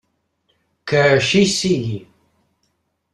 Que així sigui.